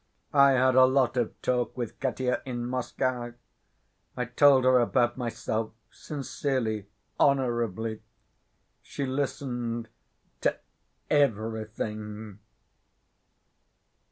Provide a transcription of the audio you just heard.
I had a lot of talk with Katya in Moscow. I told her about myself—sincerely, honorably. She listened to everything.